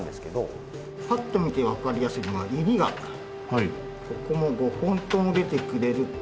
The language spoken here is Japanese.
パッと見てわかりやすいのは指がここの５本とも出てくれると。